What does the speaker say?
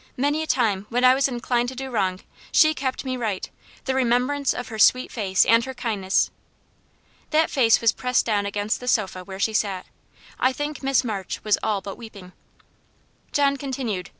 Many a time, when I was inclined to do wrong, she kept me right the remembrance of her sweet face and her kindness." That face was pressed down against the sofa where she sat. I think Miss March was all but weeping. John continued.